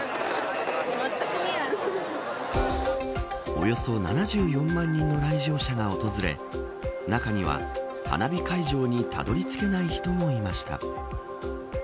およそ７４万人の来場者が訪れ中には、花火会場にたどり着けない人もいました。